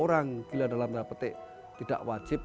orang gila dalam rapetik tidak wajib